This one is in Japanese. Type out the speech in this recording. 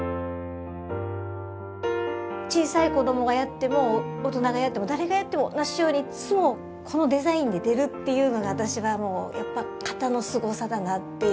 小さい子どもがやっても大人がやっても誰がやっても同じようにいっつもこのデザインで出るっていうのが私はもうやっぱ型のすごさだなって。